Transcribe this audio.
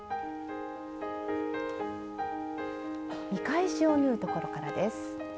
見返しを縫うところからです。